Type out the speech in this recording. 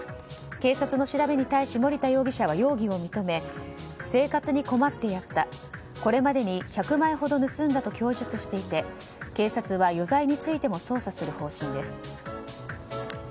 警察の調べに対し森田容疑者は容疑を認め生活に困ってやったこれまでに１００枚ほど盗んだと供述していて警察は余罪についても捜査する方針です。